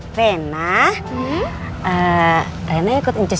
apalagi waktu itu